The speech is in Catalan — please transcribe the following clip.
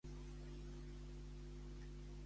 Amb quants anys es va produir el decés de Maria Luisa?